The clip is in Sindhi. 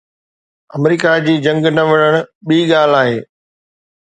آمريڪا جي جنگ نه وڙهڻ ٻي ڳالهه آهي.